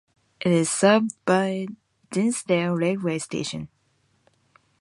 It is served by Dinsdale railway station.